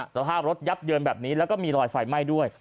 สภาพรถยับเยินแบบนี้แล้วก็มีรอยไฟไหม้ด้วย